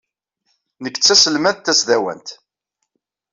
Nekk d tanelmadt tasdawant.